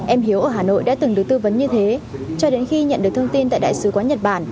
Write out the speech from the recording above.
em hiếu ở hà nội đã từng được tư vấn như thế cho đến khi nhận được thông tin tại đại sứ quán nhật bản